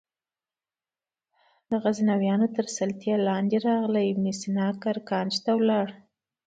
د غزنویانو تر سلطې لاندې راغلل ابن سینا ګرګانج ته ولاړ.